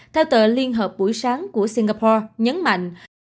theo tờ liên hợp buổi sáng của singapore nhấn mạnh